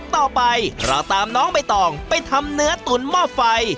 ต่อไปเราตามน้องใบตองไปทำเนื้อตุ๋นหม้อไฟ